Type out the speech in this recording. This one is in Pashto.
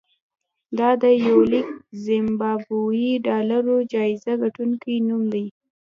دا د یولک زیمبابويي ډالرو جایزې ګټونکي نوم و.